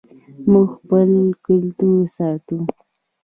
موږ خپل کلتور ساتو